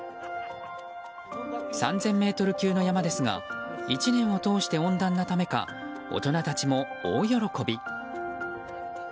３０００ｍ級の山ですが１年を通して温暖なためか大人たちも、大喜び。